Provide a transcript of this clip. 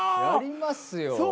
やりますよ。